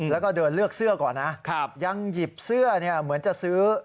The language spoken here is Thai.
แล้วก็เดินเลือกเสื้อก่อนนะยังหยิบเสื้อเหมือนจะซื้อ